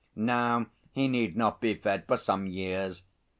Now he need not be fed for some years.